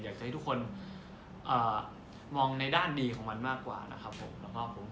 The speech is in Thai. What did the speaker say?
อยากจะให้ทุกคนมองในด้านดีของมันมากกว่านะครับผมแล้วก็ผม